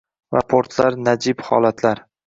va portlar najib holatlar.